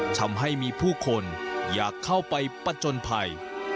ทำให้มีผู้คนอยากเข้าไปประจนภัย